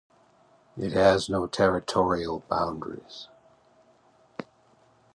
It has no territorial boundaries.